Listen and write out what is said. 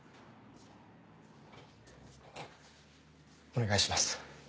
お願いします。